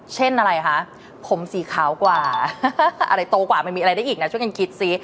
เช่นอะไรคะผมสีขาวกว่าอะไรโตกว่ามันมีอะไรได้อีกนะช่วยกันคิดซิ